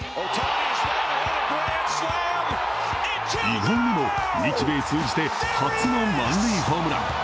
意外にも日米通じて初の満塁ホームラン。